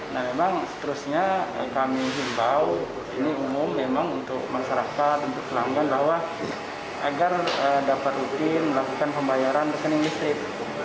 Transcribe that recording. nah memang seterusnya kami himbau ini umum memang untuk masyarakat untuk pelanggan bahwa agar dapat rutin melakukan pembayaran rekening listrik